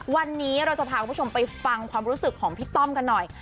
วันนี้เราจะพาคุณผู้ชมไปฟังความรู้สึกของพี่ต้อมกันหน่อย